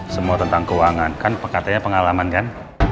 semua tentang keuangan kan katanya pengalaman kan